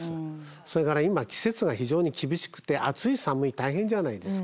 それから今季節が非常に厳しくて暑い寒い大変じゃないですか。